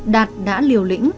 đạt đã liều lĩnh